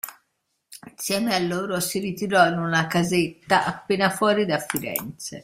Insieme a loro si ritirò in una casetta appena fuori da Firenze.